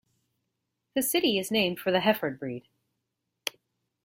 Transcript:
The city is named for the Hereford breed.